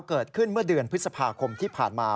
เกิดขึ้นเมื่อเดือนพฤษภาคมที่ผ่านมา